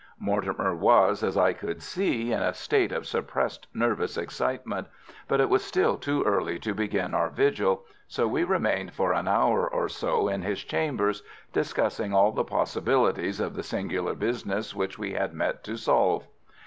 Mortimer was, as I could see, in a state of suppressed nervous excitement, but it was still too early to begin our vigil, so we remained for an hour or so in his chambers, discussing all the possibilities of the singular business which we had met to solve.